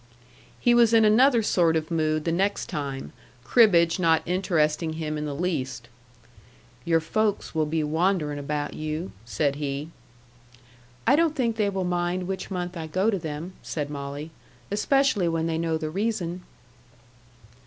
He was in another sort of mood the next time, cribbage not interesting him in the least. "Your folks will be wondering about you," said he. "I don't think they will mind which month I go to them," said Molly. "Especially when they know the reason."